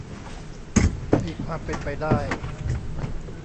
มีความเป็นไปได้